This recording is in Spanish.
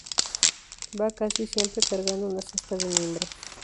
Va casi siempre cargando una cesta de mimbre.